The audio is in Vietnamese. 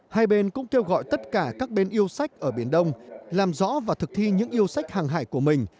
hai bên cũng kêu gọi tất cả các bên yêu sách ở biển đông làm rõ và thực thi những yêu sách hàng hải của mình